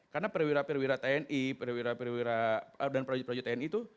karena perwira perwira tni perwira perwira dan proyek proyek tni itu